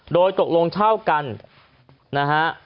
โดยตกลงเช่ากันนะฮะ